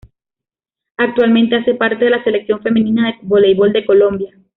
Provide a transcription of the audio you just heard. Actualmente hace parte de la selección femenina de voleibol de Colombia.